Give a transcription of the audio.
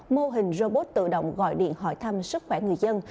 mô hình robot tự động gọi điện hỏi thăm sức khỏe người dân